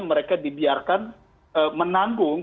mereka dibiarkan menanggung